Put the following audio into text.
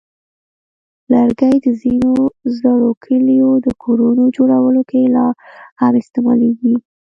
لرګي د ځینو زړو کلیو د کورونو جوړولو کې لا هم استعمالېږي.